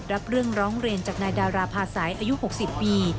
รับเรื่องร้องเรียนจากนายดาราภาษัยอายุ๖๐ปี